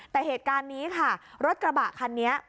แต่เหตุการณ์นี้ค่ะรถกระบะคันนี้